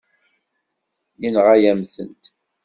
Yenɣa-yam-tent.